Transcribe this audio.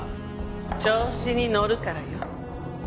調子に乗るからよ。